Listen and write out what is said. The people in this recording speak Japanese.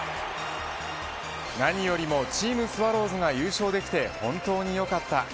何よりもチームスワローズが優勝できて本当によかった。